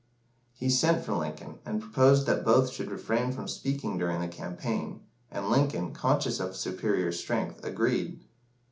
He sent for Lincoln, and proposed that both should refrain from speaking during the campaign, and Lincoln, conscious of superior strength, agreed.